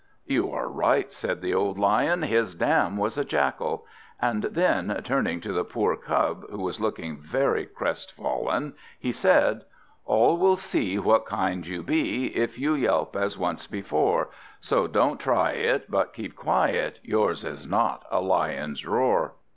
"You are right," said the old Lion; "his dam was a Jackal." And then, turning to the poor Cub, who was looking very crestfallen, he said: "All will see what kind you be If you yelp as once before; So don't try it, but keep quiet, Yours is not a lion's roar."